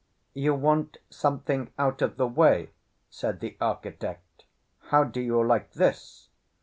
"You want something out of the way," said the architect. "How do you like this?"